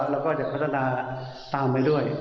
แล้วก็จะพัฒนาตามไปด้วย